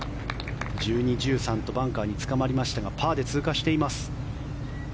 １２、１３とバンカーにつかまりましたがパーで通過しています。